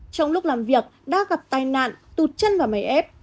trong lúc làm việc đã gặp tai nạn tụt chân vào máy ép